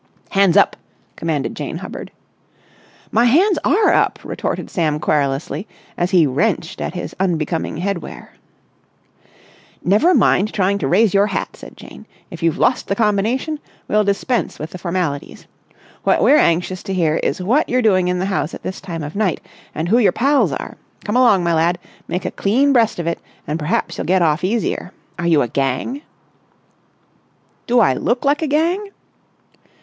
"Hands up!" commanded Jane Hubbard. "My hands are up!" retorted Sam querulously, as he wrenched at his unbecoming head wear. "Never mind trying to raise your hat," said Jane. "If you've lost the combination, we'll dispense with the formalities. What we're anxious to hear is what you're doing in the house at this time of night, and who your pals are. Come along, my lad, make a clean breast of it and perhaps you'll get off easier. Are you a gang?" "Do I look like a gang?"